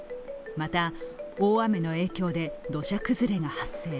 また、大雨の影響で土砂崩れが発生。